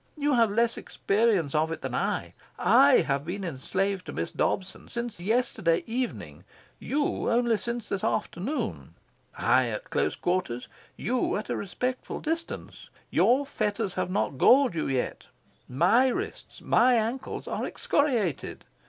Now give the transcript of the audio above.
You have less experience of it than I. I have been enslaved to Miss Dobson since yesterday evening; you, only since this afternoon; I, at close quarters; you, at a respectful distance. Your fetters have not galled you yet. MY wrists, MY ankles, are excoriated.